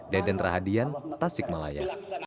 deden rahadian tasik malaya